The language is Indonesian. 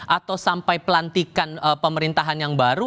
atau sampai pelantikan pemerintahan yang baru